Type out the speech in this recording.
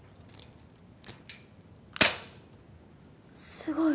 すごい！